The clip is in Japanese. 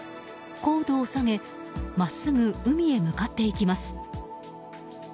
高度を下げ真っすぐ海へ向かっていきます。